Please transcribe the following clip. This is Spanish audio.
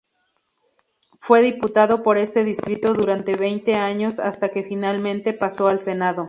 Fue diputado por este distrito durante veinte años hasta que finalmente pasó al Senado.